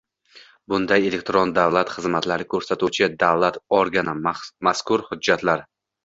bunda elektron davlat xizmatlari ko‘rsatuvchi davlat organi mazkur hujjatlar